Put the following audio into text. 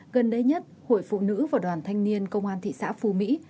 gần đây nhất hội phụ nữ và đoàn thanh niên công an thị xã phú mỹ